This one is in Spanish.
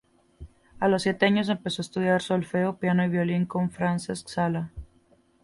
A los siete años empezó a estudiar solfeo, piano y violín con Francesc Sala.